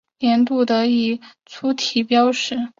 年度得主以粗体标示。